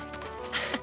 ハハハ